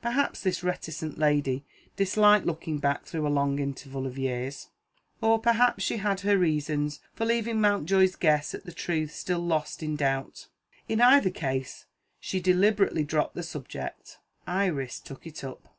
Perhaps this reticent lady disliked looking back through a long interval of years, or perhaps she had her reasons for leaving Mountjoy's guess at the truth still lost in doubt. In either case, she deliberately dropped the subject. Iris took it up.